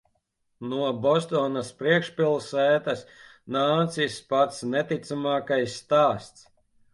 No Bostonas priekšpilsētas nācis pats neticamākais stāsts.